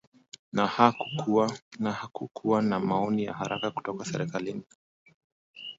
na hakukuwa na maoni ya haraka kutoka serikalini